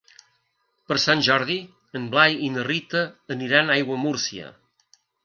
Per Sant Jordi en Blai i na Rita aniran a Aiguamúrcia.